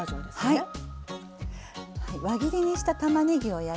はい。